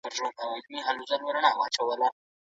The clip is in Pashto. اسلام دا کړنه په کلکه حرامه کړه.